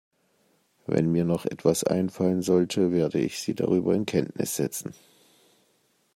Wenn mir noch etwas einfallen sollte, werde ich Sie darüber in Kenntnis setzen.